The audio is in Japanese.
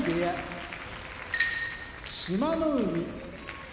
志摩ノ海